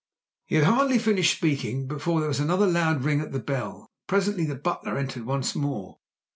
He had hardly finished speaking before there was another loud ring at the bell, and presently the butler entered once more.